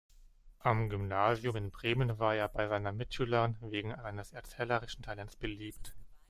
Am Gymnasium in Bremen war er bei seinen Mitschülern wegen seines erzählerischen Talents beliebt.